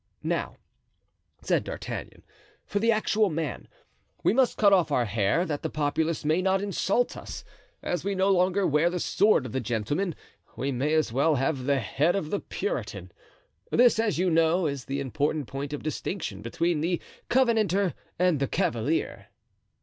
"Now," said D'Artagnan, "for the actual man. We must cut off our hair, that the populace may not insult us. As we no longer wear the sword of the gentleman we may as well have the head of the Puritan. This, as you know, is the important point of distinction between the Covenanter and the Cavalier."